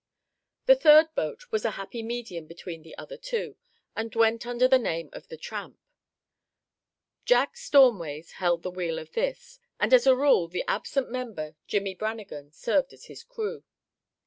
The third boat was a happy medium between the other two, and went under the name of the Tramp. Jack Stormways held the wheel of this, and as a rule the absent member, Jimmie Brannagan, served as the crew.